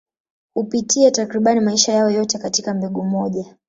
Hupitia takriban maisha yao yote katika mbegu moja.